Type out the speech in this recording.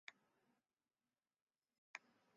北魏孝昌三年设置魏明郡。